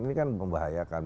ini kan membahayakan